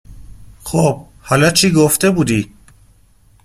خب حالا چی گفته بودی ؟